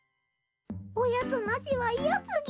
おやつなしは嫌つぎ。